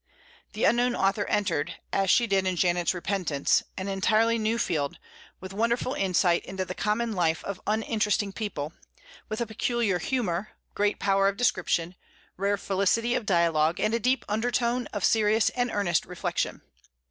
The unknown author entered, as she did in "Janet's Repentance," an entirely new field, with wonderful insight into the common life of uninteresting people, with a peculiar humor, great power of description, rare felicity of dialogue, and a deep undertone of serious and earnest reflection.